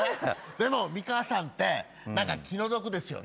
でも美川さんって気の毒ですよね。